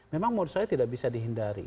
memang menurut saya tidak bisa dihindari